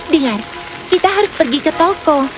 dengar kita harus pergi ke toko